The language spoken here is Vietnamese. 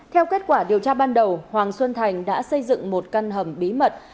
theo kết quả điều tra ban đầu hoàng xuân thành đã xây dựng một căn hầm bí mật